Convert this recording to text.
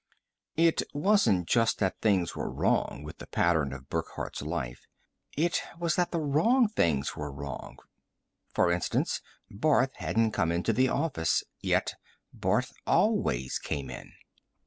It wasn't just that things were wrong with the pattern of Burckhardt's life; it was that the wrong things were wrong. For instance, Barth hadn't come into the office, yet Barth always came in.